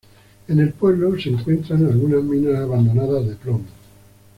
En el pueblo se encuentran algunas minas abandonadas de plomo.